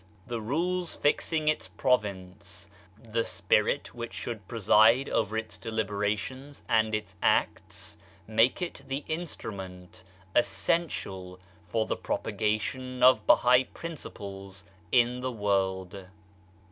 The rules fixing its province, the spirit which should preside over its deliberations and its acts, make it the instrument essential for the propagation of Bahai principles in the world.